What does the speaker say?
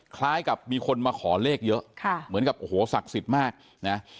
คล้ายกับมีคนมาขอเลขเยอะค่ะเหมือนกับโอ้โหศักดิ์สิทธิ์มากนะ